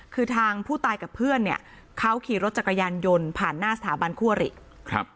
คือทางผู้ตายกับเพื่อนเนี่ยเขาขี่รถจักรยานยนต์ผ่านหน้าสถาบันคั่วหรี่ครับ